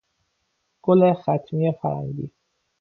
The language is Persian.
گل خطمی فرنگی